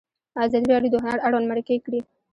ازادي راډیو د هنر اړوند مرکې کړي.